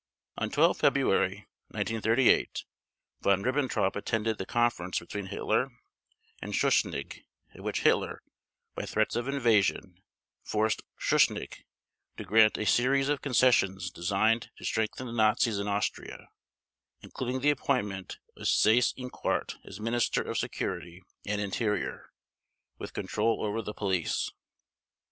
On 12 February 1938 Von Ribbentrop attended the conference between Hitler and Schuschnigg at which Hitler, by threats of invasion, forced Schuschnigg to grant a series of concessions designed to strengthen the Nazis in Austria, including the appointment of Seyss Inquart as Minister of Security and Interior, with control over the police.